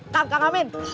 kak kak amin